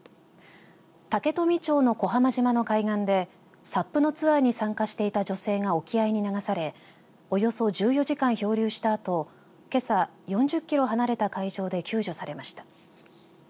竹富町の小浜島の海岸でＳＵＰのツアーに参加していた女性が沖合に流されおよそ１４時間漂流したあとけさ４０キロ離れた海上で救助されました。